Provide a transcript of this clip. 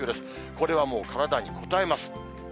これはもう体にこたえます。